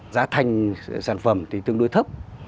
giá thành sản phẩm thì tương đối thấp